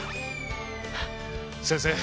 ⁉先生！